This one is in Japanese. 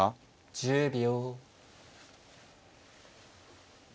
１０秒。